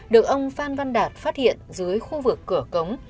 được ông phan văn đạt phát hiện dưới khu vực cửa cống